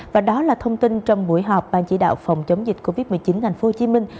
và đó là thông tin trong buổi họp ban chỉ đạo phòng chống dịch covid một mươi chín thành phố hồ chí minh